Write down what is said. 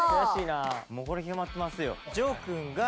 もうこれ決まってますよ。